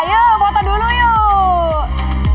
yuk foto dulu yuk